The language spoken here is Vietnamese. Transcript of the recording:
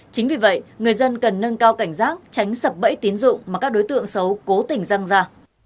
chính vì vậy người dân cần nâng cao cảnh giác tránh sập bẫy tín dụng mà các đối tượng xấu cố tình răng ra